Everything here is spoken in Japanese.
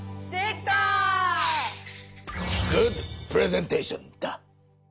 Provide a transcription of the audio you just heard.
グッドプレゼンテーションだ！